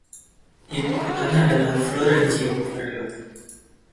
Ibu kotanya adalah Florencio Varela.